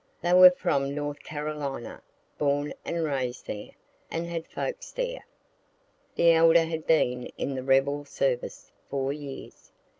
They were from North Carolina, born and rais'd there, and had folks there. The elder had been in the rebel service four years.